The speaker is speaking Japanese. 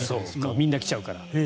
みんな来ちゃうから。